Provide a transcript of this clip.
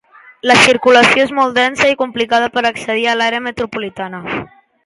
La circulació és molt densa i complicada per accedir a l'àrea metropolitana.